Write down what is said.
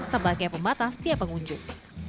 sebagai pembatas tiap pengunjung